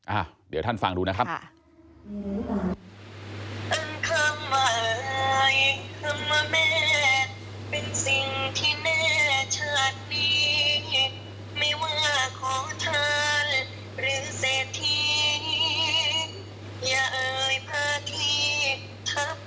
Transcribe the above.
อ่ะเดี๋ยวท่านฟังดูนะครับ